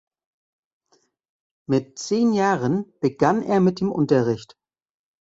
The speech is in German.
Mit zehn Jahren begann er mit dem Unterricht.